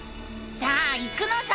さあ行くのさ！